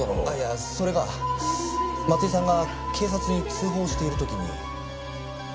あっいやそれが松井さんが警察に通報している時に。